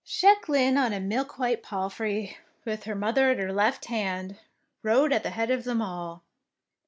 Jacqueline on a milk white palfrey, with her mother at her left hand, rode at the head of them all.